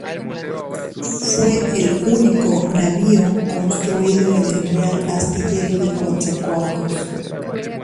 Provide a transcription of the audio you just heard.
Fue el único navío construido en el Real Astillero de Coatzacoalcos.